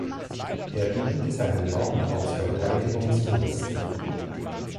Er diente seinem Land als Verteidigungsminister.